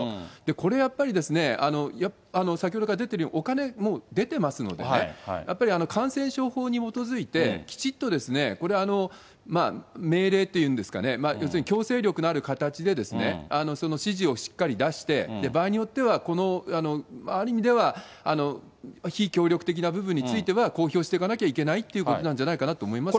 これやっぱりですね、先ほどから出てる、お金、もう出てますのでね、やっぱり感染症法に基づいてきちっとこれ、命令というんですかね、要するに強制力のある形で指示をしっかり出して、場合によっては、この、ある意味では非協力的な部分については、公表していかなきゃいけないということなんじゃないかと思います